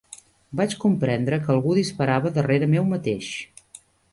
Vaig comprendre que algú disparava darrere meu mateix